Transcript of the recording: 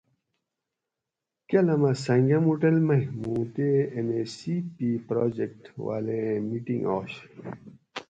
کالامہ سنگھم ھوٹل مئ موں تے ایم اے سی پی پراجیکٹ والا ایٔں میٹںگ آش